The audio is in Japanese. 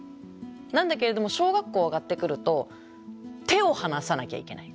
なんだけれども小学校上がってくると手を離さなきゃいけない。